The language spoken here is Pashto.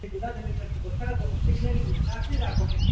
د خپل مېړه د مرګ په خاطر.